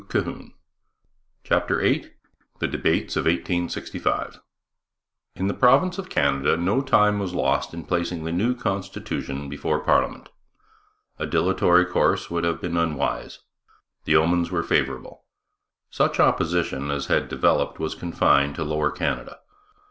CHAPTER VIII THE DEBATES OF 1865 In the province of Canada no time was lost in placing the new constitution before parliament. A dilatory course would have been unwise. The omens were favourable. Such opposition as had developed was confined to Lower Canada.